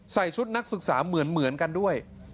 ชุดนักศึกษาเหมือนกันด้วย